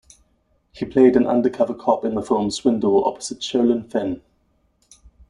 He played an undercover cop in the film "Swindle" opposite Sherilyn Fenn.